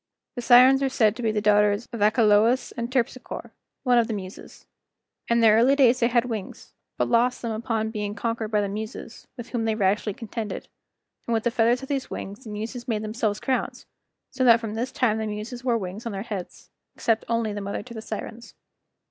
—The Sirens are said to be the daughters of Achelous and Terpsichore, one of the Muses. In their early days they had wings, but lost them upon being conquered by the Muses, with whom they rashly contended; and with the feathers of these wings the Muses made themselves crowns, so that from this time the Muses wore wings on their heads, except only the mother to the Sirens.